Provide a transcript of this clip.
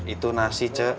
itu nasi cek